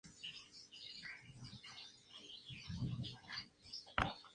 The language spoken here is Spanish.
Universidad de Deusto.